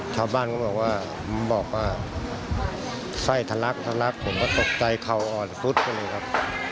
ชาวบ้านก็บอกว่าไส้ทะลักทะลักผมก็ตกใจเข่าอ่อนฟุดไปเลยครับ